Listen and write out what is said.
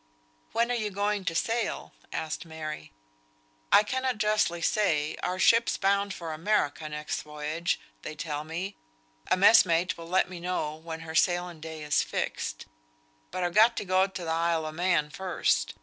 "When are you going to sail?" asked Mary. "I cannot justly say; our ship's bound for America next voyage, they tell me. A mess mate will let me know when her sailing day is fixed; but I've got to go to th' Isle o' Man first.